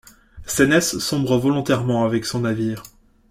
Senès sombre volontairement avec son navire.